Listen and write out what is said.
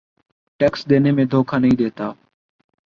tax دینے میں دھوکہ نہیں دیتا